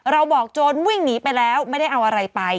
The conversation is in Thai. เราบอกโจรวิ่งหนีไปแล้วไม่ได้เอาอะไรไป